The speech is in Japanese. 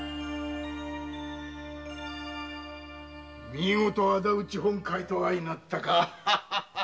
見事仇討ち本懐と相なったか。